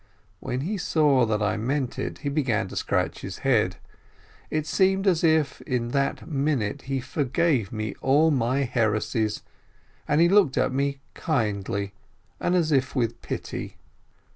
When he saw that I meant it, he began to scratch his head ; it seemed as if in that minute he forgave me all my "heresies," and he looked at me kindly, and as if with pity.